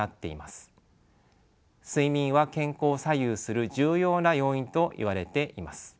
睡眠は健康を左右する重要な要因といわれています。